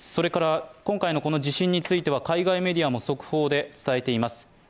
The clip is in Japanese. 今回のこの地震については海外メディアも速報で伝えています。